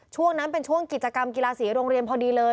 ช่วงนั้นเป็นช่วงกิจกรรมกีฬาสีโรงเรียนพอดีเลย